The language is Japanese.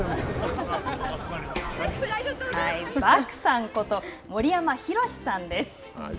バクさんこと森山漠さんです。